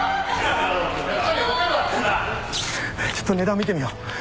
ちょっと値段見てみよう。